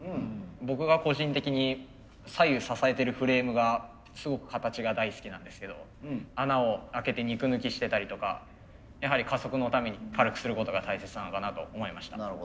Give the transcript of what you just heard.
僕が個人的に左右支えてるフレームがすごく形が大好きなんですけど穴を開けて肉抜きしてたりとかやはり加速のために軽くすることが大切なのかなと思いました。